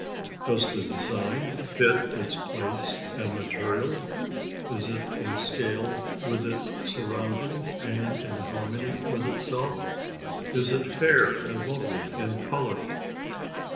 Does the design fit its place and material? Is it in scale with its surroundings and in harmony with itself? Is it fair and lovely in colour?